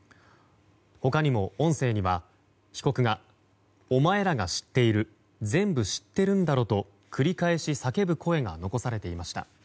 他にも、音声には被告が、お前らが知っている全部知っているんだろと繰り返し叫ぶ声が残されていました。